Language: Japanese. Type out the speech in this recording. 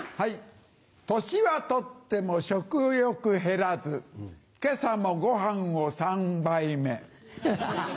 年はとっても食欲減らず今朝もご飯を３杯目。